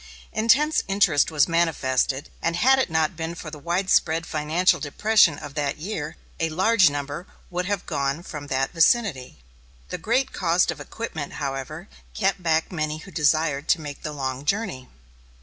Intense interest was manifested; and had it not been for the widespread financial depression of that year, a large number would have gone from that vicinity. The great cost of equipment, however, kept back many who desired to make the long journey.